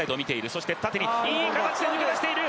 そして、縦にいい形で抜け出している。